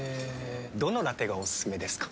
どのラテがおすすめですか？